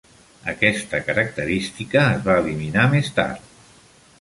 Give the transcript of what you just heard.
Aquesta característica es va eliminar més tard.